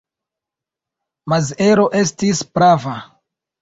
Maziero estis prava.